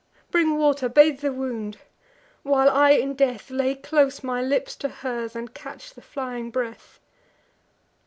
Bring water; bathe the wound; while I in death Lay close my lips to hers, and catch the flying breath."